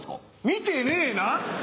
見てねえな？